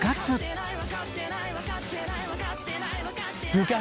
部活。